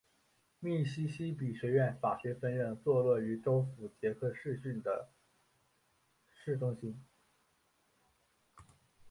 密西西比学院法学分院坐落于州府杰克逊市的市中心。